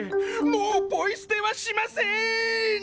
もうポイ捨てはしません！